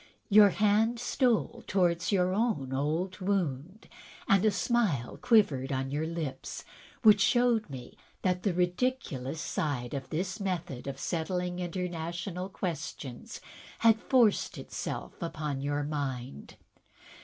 Your hand stole towards your own old wound, and a smile quivered on your lips, which showed me that the ridiculous side of this method of settling international questions had forced itself upon your mind.